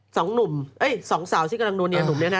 สองนุ่มเฮ้สองสาวที่กำลังลูนิยนุ่มนี้นะฮะ